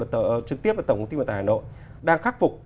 ở tổng thống tinh vật hà nội đang khắc phục